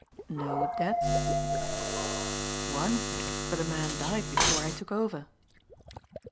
"No deaths?" "One. But the man died before I took over."